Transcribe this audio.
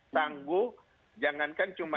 tangguh jangankan cuma